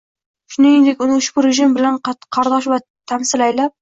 shuningdek, uni ushbu rejim bilan qardosh va tamsil aylab